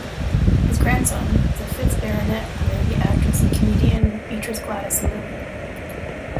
His grandson, the fifth Baronet, married the actress and comedian Beatrice Gladys Lillie.